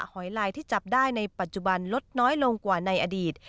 หอยลายที่จับได้ในปัจจุบันลดน้อยลงกว่าในอดีต